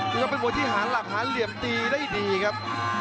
นี่ก็เป็นบทที่หารหลับหารเหลี่ยมตีได้ดีครับ